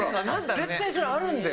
絶対それあるんだよ。